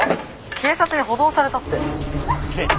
警察に補導されたって。